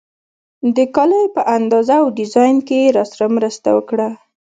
د کالیو په اندازه او ډیزاین کې یې راسره مرسته وکړه.